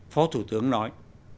phó thủ tướng nói